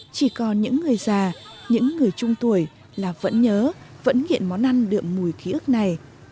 chỉ còn những người già những người trung tuổi là vẫn nhớ vẫn nghiện món ăn đượm mùi ký ức này